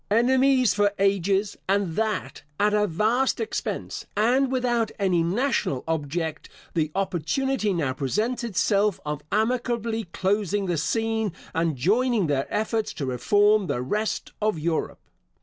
Enemies for ages, and that at a vast expense, and without any national object, the opportunity now presents itself of amicably closing the scene, and joining their efforts to reform the rest of Europe.